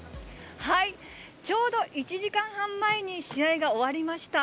ちょうど１時間半前に試合が終わりました。